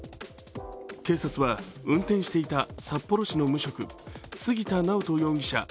警察は運転していた札幌市の無職、杉田直人容疑者